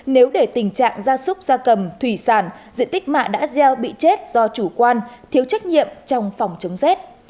nếu để tình trạng gia súc gia cầm thủy sản diện tích mạ đã gieo bị chết do chủ quan thiếu trách nhiệm trong phòng chống rét